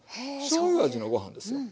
しょうゆ味のご飯ですよ。